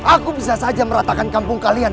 aku bisa saja meratakan kampung kalian